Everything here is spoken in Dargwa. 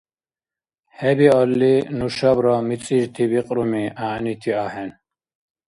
ХӀебиалли, нушабра мицӀирти бикьруми гӀягӀнити ахӀен.